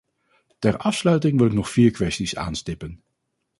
Ter afsluiting wil ik nog vier kwesties aanstippen.